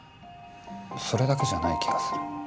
それだけじゃない気がする。